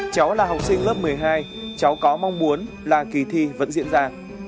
cháu là học sinh lớp một mươi hai cháu có mong muốn là kỳ thi vẫn diễn ra